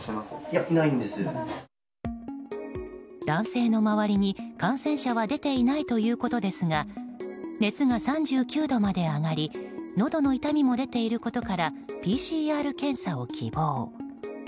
男性の周りに、感染者は出ていないということですが熱が３９度まで上がりのどの痛みも出ていることからＰＣＲ検査を希望。